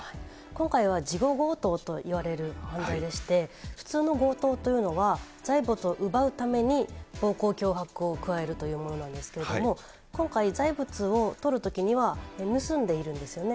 今回はじご強盗といわれる犯罪でして、普通の強盗というのは、財物を奪うために暴行、脅迫を加えるというものなんですけれども、今回、財物をとるときには盗んでいるんですよね。